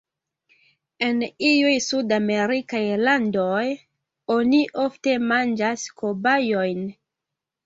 En iuj sudamerikaj landoj oni ofte manĝas kobajojn.